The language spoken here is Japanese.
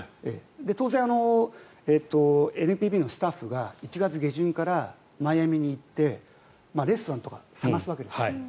当然、ＮＰＢのスタッフが１月下旬からマイアミに行ってレストランとか探すわけです。